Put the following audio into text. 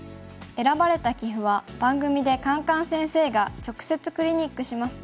選ばれた棋譜は番組でカンカン先生が直接クリニックします。